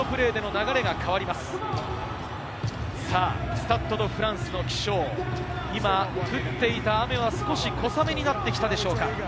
スタッド・ド・フランスの気象、今、降っていた雨は少し小雨になってきたでしょうか。